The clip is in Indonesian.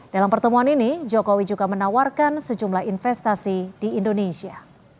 dalam pertemuan ini jokowi juga menawarkan sejumlah investasi di indonesia